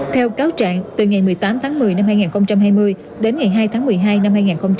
theo cáo trạng từ ngày một mươi tám tháng một mươi năm hai nghìn hai mươi đến ngày hai tháng một mươi hai năm hai nghìn hai mươi